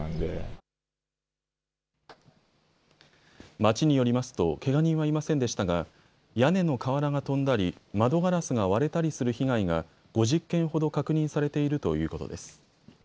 町によりますとけが人はいませんでしたが屋根の瓦が飛んだり、窓ガラスが割れたりする被害が５０件ほど確認されているということです。